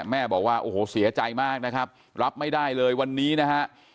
แม่บอกว่าโอ้โหเสียใจมากนะครับรับไม่ได้เลยวันนี้นะฮะ